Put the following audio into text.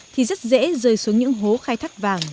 thì rất dễ rơi xuống những hố khai thác vàng